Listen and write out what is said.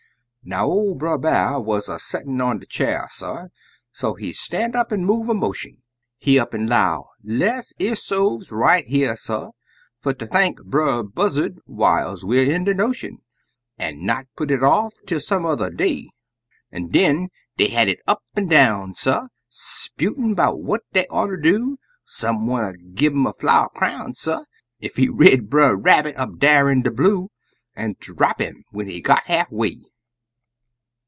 Now, ol' Brer B'ar wuz a settin' in de cheer, suh, So he stand up an' move a motion; He up an' 'low, "Le's erso'v right here, suh, Fer ter thank Brer Buzzard whiles we're in de notion, An' not put it off ter some yuther day." An' den dey had it up an' down, suh, 'Sputin' 'bout what dey oughter do, Some wanter gi' 'im a flower crown, suh, Ef he rid Brer Rabbit up dar in de blue, An' drap 'im when he got half way.